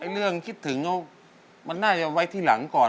เรื่องคิดถึงมันน่าจะไว้ที่หลังก่อน